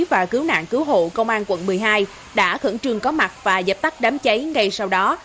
và cứu nạn cứu hộ công an quận một mươi hai đã khẩn trương có mặt và dập tắt đám cháy ngay sau đó